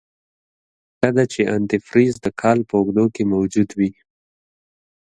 ښه ده چې انتي فریز دکال په اوږدو کې موجود وي.